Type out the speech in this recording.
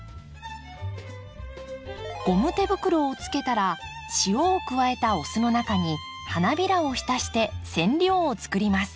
ゴム手袋をつけたら塩を加えたお酢の中に花びらを浸して染料をつくります。